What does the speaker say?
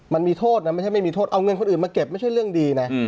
มันมีโทษนะไม่ใช่ไม่มีโทษเอาเงินคนอื่นมาเก็บไม่ใช่เรื่องดีนะ